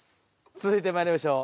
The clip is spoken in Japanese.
続いてまいりましょう。